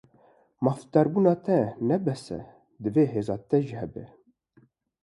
Mafdarbûna te ne bes e, divê hêza te jî hebe.